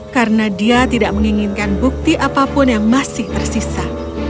karena dia tidak menginginkan bukti apapun yang masih tersisa